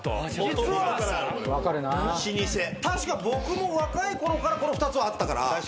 確か僕も若いころからこの２つはあったから。